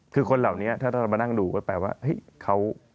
คือคนเหล่านี้ถ้าเรามานั่งดูก็แปลว่าเฮ้ยเขา